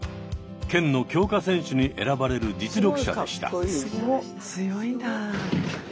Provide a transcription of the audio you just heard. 県の強化選手に選ばれる実力者でした。